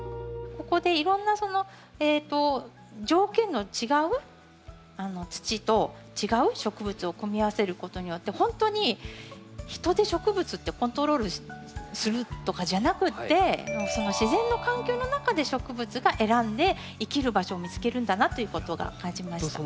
ここでいろんな条件の違う土と違う植物を組み合わせることによってほんとに人で植物ってコントロールするとかじゃなくてその自然の環境の中で植物が選んで生きる場所を見つけるんだなということが感じました。